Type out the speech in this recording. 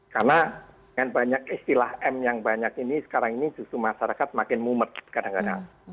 karena dengan banyak istilah m yang banyak ini sekarang ini justru masyarakat makin mumet kadang kadang